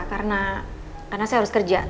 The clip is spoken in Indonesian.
karena saya harus kerja